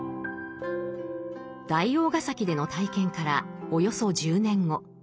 大王个崎での体験からおよそ１０年後。